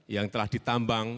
yang telah ditambang